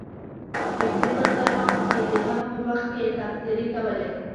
نږدې ملګرو یې د هغه په مخ کې تبصرې کولې.